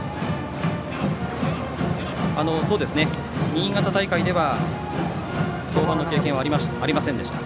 新潟大会では登板の経験はありませんでした。